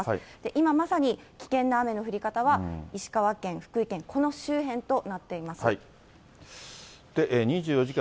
今まさに、危険な雨の降り方は石川県、福井県、この周辺となっています。